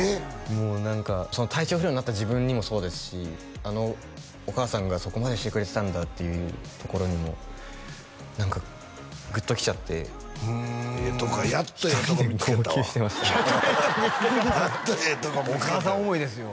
もう何か体調不良になった自分にもそうですしあのお母さんがそこまでしてくれてたんだっていうところにも何かグッときちゃってええとこやっとええとこ見つけたわ「やっとええとこ見つけた」